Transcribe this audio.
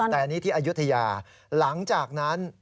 แต่อันนี้ที่อายุทยาหลังจากนั้น